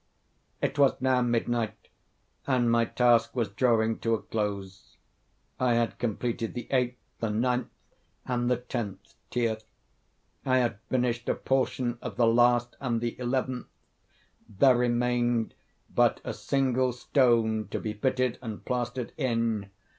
It was now midnight, and my task was drawing to a close. I had completed the eighth, the ninth, and the tenth tier. I had finished a portion of the last and the eleventh; there remained but a single stone to be fitted and plastered in.